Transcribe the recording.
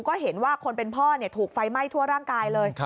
ก็เห็นว่าคนเป็นพ่อถูกไฟไหม้ทั่วร่างกายเลย